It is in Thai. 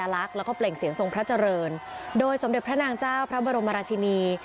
ลักษณ์แล้วก็เปล่งเสียงทรงพระเจริญโดยสมเด็จพระนางเจ้าพระบรมราชินี